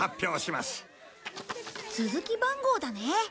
続き番号だね。